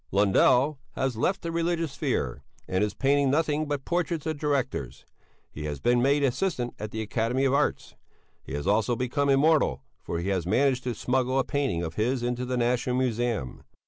Lundell has left the religious sphere, and is painting nothing but portraits of directors; he has been made assistant at the Academy of Arts. He has also become immortal, for he has managed to smuggle a painting of his into the National Museum.